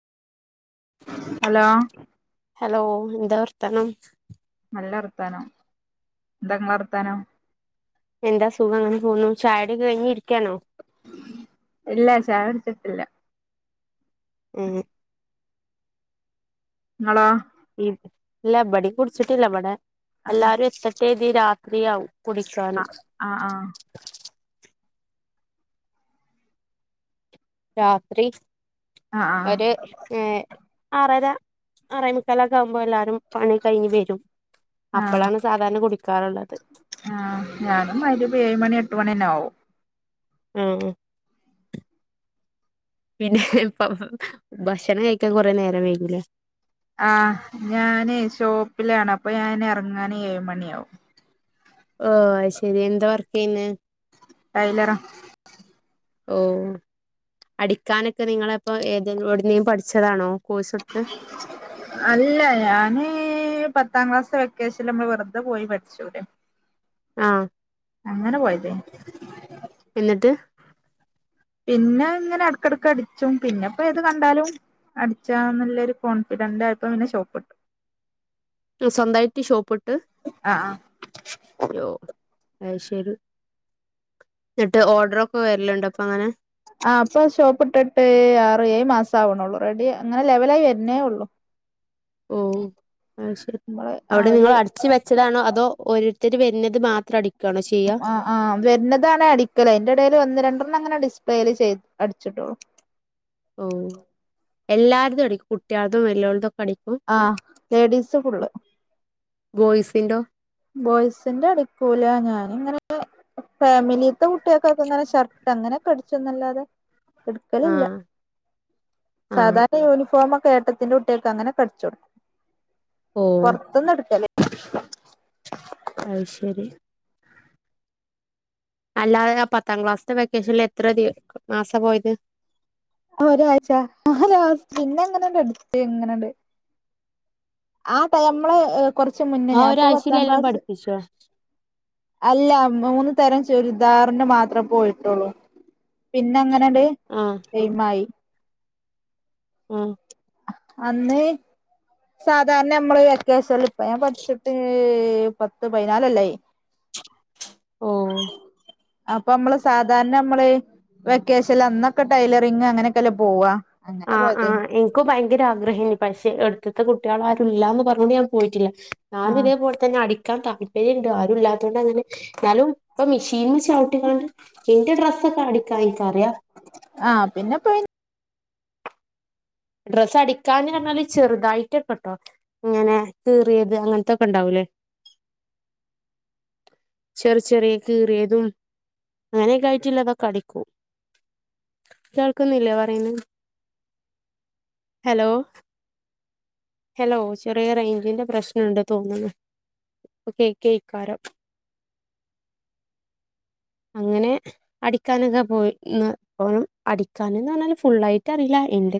Hello. Hello എന്താ വർത്താനം? നല്ല വർത്താനം എന്തങ്ങളെ വർത്താനം? എന്താ സുഖം അങ്ങനെ പോവ്ന്നു ചായുടി ഒക്കെ കഴിഞ്ഞിരിക്കാണോ? ഇല്ല ചായുട്ച്ചിട്ടില്ല. ഏഹ് ഇങ്ങളോ? ല്ല ഇബടി കുടിച്ചിട്ടില്ലവടെ ആ എല്ലാരും എത്തട്ടതി രാത്രിയാവും. കുടിക്കാന്. ആഹ് ആഹ് രാത്രി ആ ഒര് ഏഹ് ആറ് അര ആറെ മുക്കാലൊക്കെ ആമ്പോ എല്ലാരും പണി കഴിഞ്ഞ് വെരും അപ്പളാണ് സാധാരണ കുടിക്കാറ്ള്ളത്. ആഹ് ഞാനും മൈരിബ് ഏഴ് മണി എട്ട് മണി ന്നെ ആവും. ആഹ് പിന്നെ ഇപ്പ ഭക്ഷണം കയ്ക്കാ കൊറെേ നേരം വേയ്കീലേ? ആഹ് ഞാന് ഷോപ്പിലാണ് അപ്പൊ ഞാൻ എറങ്ങാന് ഏഴ് മണി ആവു. ഓ അഹ് ശെരി എന്താ വർക്ക് യ്യ്ന്നെ? ടൈലറ. ഓ അടിക്കാനൊക്കെ നിങ്ങള പ്പോ ഏത് എടുന്നേ പഠിച്ചതാണോ കോഴ്സ് എടുത്ത്? അല്ല ഞാന് ഈ പത്താം ക്ലാസ് വെക്കേഷല്ല് അമ്മള് വെറ്തെ പോയി പഠിചുലേ ആഹ് അങ്ങനെ പോയതേനി. എന്നിട്ട്? പിന്നെ ഇങ്ങനെ എടക്കടക്ക് അടിച്ചും പിന്നെപ്പോ ഏത് കണ്ടാലും അടിച്ചാ ന്ന്ല്ലൊരു കോൺഫിഡന്റ് ആയപ്പ പിന്നെ ഷോപ്പ്‌ട്ടു. സ്വന്തയിട്ട് ഷോപ്പ്‌ട്ട്? ആ ആ യോ അയ്ശെരി എന്ന്ട്ട് ഓഡ്ര ഒക്കെ വെര്ല്ണ്ടോ ഇപ്പ അങ്ങനെ? ആഹ് അപ്പൊ ഷോപ്പ് ഇട്ട്ട്ട് ആറ് എഴ് മാസം ആവണോള്ളൂ റെഡി അങ്ങനെ ലെവല ആയി വെരന്നേ ഉള്ളു. ഓ അഹ് ശെരി നമ്മള് ആ അവ്ടെ ഒരു നിങ്ങള് അടിച്ച് വെ ച്ചതാണോ അതോ ഓരോര്ത്തര് വെര്ന്നത് മാത്രം അടിക്കണോ ചെയ്യ? ആഹ് ആഹ് വെര്താണ് അടിക്കല് അയ്ന്റെ എടെല് ഒന്ന് രണ്ടെണ്ണം ഇങ്ങനെ ഡിസ്പ്ലേല് ചെയ് അടിച്ചിടോള്ളൂ. ഓ എല്ലാര്തു അടിക് കുട്ട്യേൾതു വെല്ല്യോതു ഒക്കെ അട ആഹ് ലേഡീസ് ഫുള്ള് ബോയ്സിന്റോ ബോയ്സിന്റെ അടുക്കൂല ഞാൻ ഇങ്ങനെ ഫാമിലിത്തെ കുട്ടിയൊക്ക് ഒക്കെ ഇങ്ങനെ ഷർട്ട് അങ്ങനെയൊക്കെ അടിച്ചുന്നല്ലാതെ ആ എടുക്കല്ലില്ല ആ സാധാരണ യൂണിഫോമ് ഒക്കെ ഏട്ട ന്റെ കുട്ടിക്കൾക്ക് അങ്ങനെ ഒക്ക അടിച്ചോ കോടുക്കും ഓ പൊറത്തിന്ന് എടു അത് ശരി അല്ലാതെ ആഹ് പത്താം ക്ലാസ്സത്തെ വെക്കേഷനിൽ എത്ര ദി മാസപോയത് ആഹ് ഒരാഴ്ച്ച ആണോ പിന്നെ എങ്ങനെയണ്ട് എങ്ങനെയണ്ട് ആഹ് ടൈമ് നമ്മളള് കൊറച്ച മുന്നേ ആ ഞാനപ്പൊ പത്താം ഒരാഴ്ചയിലെല്ലാം ക്ലാസ് [unintelligible] അല്ല മൂന്ന് തരം ചുരിദാറിന്റെ മാത്രമേ പോയിട്ടുള്ളൂ പിന്നെ അങ്ങനണ്ട് ആഹ് സേമായി ആഹ് അന്ന് സാധാരണ നമ്മള് വെക്കേഷനിൽ ഇപ്പ ഞൻ പഠിച്ചിട്ട് പത്ത് പതിനാല്ല് കൊല്ലമായി ഓഹ് അപ്പൊ നമ്മള് സാധാരണ നമ്മള് വെക്കേഷല്ല് അന്നൊക്കെ ടൈലറിങ് അങ്ങനെക്കെല്ലാ പോവാ അങ്ങനെ ആഹ് പോയത് ആഹ് എങ് ക്ക് ഭയങ്കര ആഗ്രഹയിന്നു പക്ഷെ എടുത്തത്തെ കുട്ടികളൾ ആരുല്ല എന്ന് പറഞ്ഞോണ്ട് ഞാൻ പോയിട്ടില്ല ആ ഞാൻ ഇതേ പോലെ തന്നെ അടിക്കാൻ താല്പര്യവുണ്ട് ആരും ഇല്ലാത്തൊണ്ട് അങ്ങനെ എന്നാലും ഇപ്പ മെഷീനി ചുവുട്ട് ങ്ങാണ്ട് എന്റെ ഡ്രസ് ഒക്കെ അടിക്കാ എനിക്കറിയാം ആഹ് പിന്നെ പോയ് ഡ്രസ്സ് അടിക്കാഞ്ഞ് പറഞ്ഞാല് ചെറുതായിട്ടൊക്കെ കേട്ടോ ഇങ്ങനെ കീറിയത് അങ്ങനത്തൊക്കെ ഉണ്ടാവൂലേ ചെറ് ചെറിയ കീറിയതും അങ്ങനെയൊക്കെ ആയിട്ടുള്ളതൊക്കെ അടിക്കും കേൾക്കുന്നില്ലേ പറയുന്നേ ഹലോ ഹലോ ചെറിയ റേഞ്ചിന്റെ പ്രശ്നുണ്ട് തോന്നുന്നു ഇപ്പ കേക്കായ് ക്കാരം അങ്ങനെ അടിക്കാനൊക്കെ പോയിന്ന് പോലും അടിക്കാൻന്ന് പറഞ്ഞാല് ഫുള്ളായിട്ട് അറിയില്ല എന്റെ